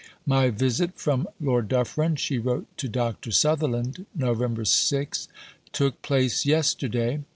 "My visit from Lord Dufferin," she wrote to Dr. Sutherland (Nov. 6), "took place yesterday.